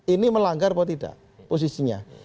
ini melanggar apa tidak posisinya